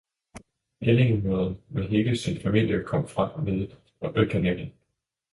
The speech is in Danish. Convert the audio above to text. Ællingemoderen med hele sin familie kom frem nede ved kanalen.